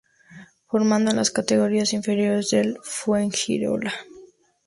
Formado en las categorías inferiores del Fuengirola.